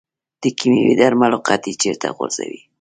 د کیمیاوي درملو قطۍ چیرته غورځوئ؟